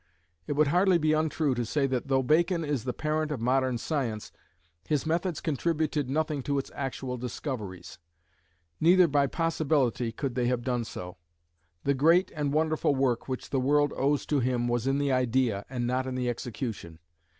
It would hardly be untrue to say that though Bacon is the parent of modern science, his methods contributed nothing to its actual discoveries; neither by possibility could they have done so. The great and wonderful work which the world owes to him was in the idea, and not in the execution.